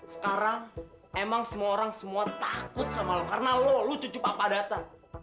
sekarang emang semua orang semua takut sama lo karena lo cucu papa datang